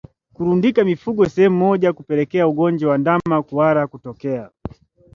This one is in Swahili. Kurundika mifugo sehemu moja hupelekea ugonjwa wa ndama kuhara kutokea